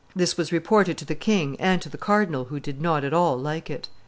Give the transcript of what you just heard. This was reported, to the king, and to the cardinal who did not at all like it."